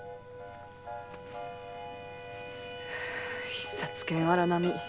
必殺剣“荒波”。